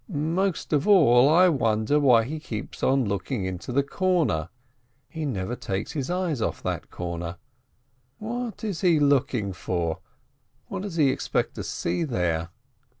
Most of all I wonder why he keeps on looking into the corner — he never takes his eyes off that corner. What is he looking for, what does he expect to see there?